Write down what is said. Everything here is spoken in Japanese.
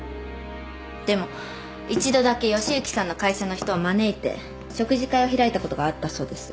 でも一度だけ義之さんの会社の人を招いて食事会を開いたことがあったそうです。